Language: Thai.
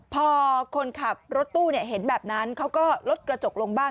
พอคนขับรถตู้เห็นแบบนั้นเขาก็ลดกระจกลงบ้าง